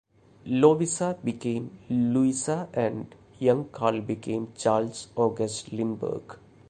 Lovisa became Louisa and young Carl became Charles August Lindbergh.